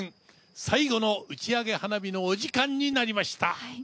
最後の打ち上げ花火のお時間になりました。